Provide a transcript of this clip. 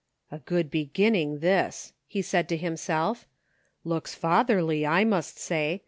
"A good beginning, this !" he said to himself; "looks fatherly, I must say.